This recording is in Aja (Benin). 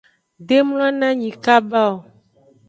De mlonanyi kaba.